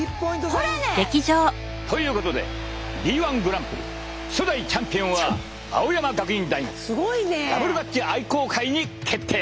ほらね！ということでＢ−ＯＮＥグランプリ初代チャンピオンは青山学院大学ダブルダッチ愛好会に決定！